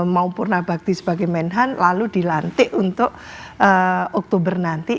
maupurna bhakti sebagai menhan lalu dilantik untuk oktober nanti